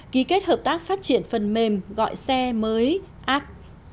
ký kết hợp tác phát triển phần mềm gọi xe mới app